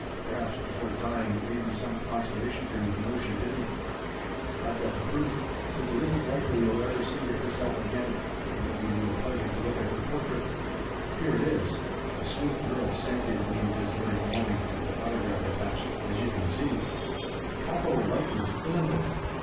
Perhaps, before dying, it may be some consolation for you to know she didn't. I've got the proof. Since it isn't likely you'll ever see herself again, it may give you a pleasure to look at her portrait. Here it is! The sweet girl sent it me this very morning, with her autograph attached, as you see. A capital likeness, isn't it?"